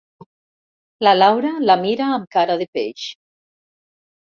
La Laura la mira amb cara de peix.